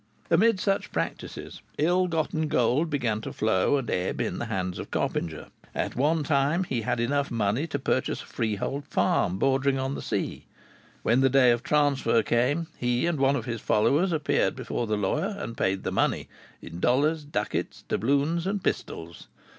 Amid such practices, ill gotten gold began to flow and ebb in the hands of Coppinger. At one time he had enough money to purchase a freehold farm bordering on the sea. When the day of transfer came, he and one of his followers appeared before the lawyer and paid the money in dollars, ducats, doubloons, and pistoles.